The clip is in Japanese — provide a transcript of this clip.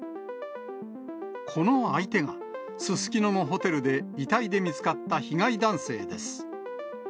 この相手が、すすきののホテルで遺体で見つかった被害男性です。